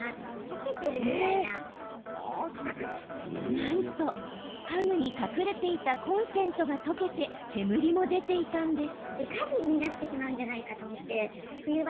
なんと、家具に隠れていたコンセントが溶けて煙も出ていたんです。